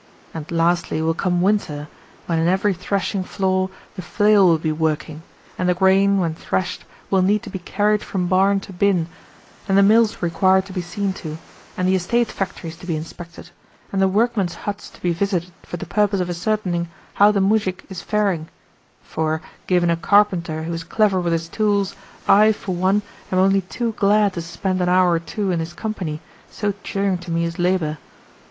And lastly will come winter, when in every threshing floor the flail will be working, and the grain, when threshed, will need to be carried from barn to binn, and the mills require to be seen to, and the estate factories to be inspected, and the workmen's huts to be visited for the purpose of ascertaining how the muzhik is faring (for, given a carpenter who is clever with his tools, I, for one, am only too glad to spend an hour or two in his company, so cheering to me is labour).